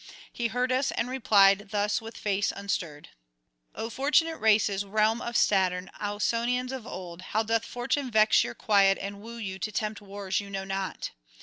He heard us, and replied thus with face unstirred: '"O fortunate races, realm of Saturn, Ausonians of old, how doth fortune vex your quiet and woo you to tempt wars you know not?